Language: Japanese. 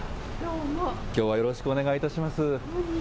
きょうはよろしくお願いいたします。